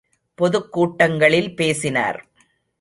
பொதுக் கூட்டங்களில் பேசினார்.